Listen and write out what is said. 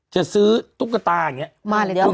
จะซื้อตุ๊กตาแบบนี้